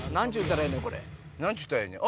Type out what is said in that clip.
何ちゅうたらええねん？